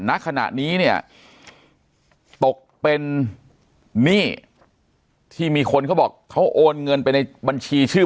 ณขณะนี้เนี่ยตกเป็นหนี้ที่มีคนเขาบอกเขาโอนเงินไปในบัญชีชื่อ